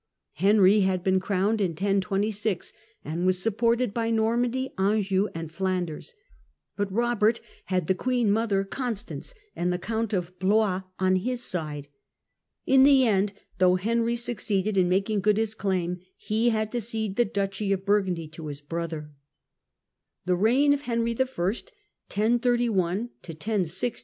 Henry had been crowned in 1026, and was supported by Normandy, Anjou, and Flanders, but Eobert had the queen mother Constance and the Count of Blois on his side. In the end, though Henry succeeded in making good his claim, he had to cede the duchy of Burgundy to his brother. The reign of Henry T.